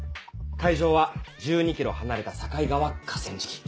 会場は１２ｋｍ離れた境川河川敷。